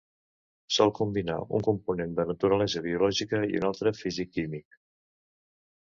Sol combinar un component de naturalesa biològica i un altre físic-químic.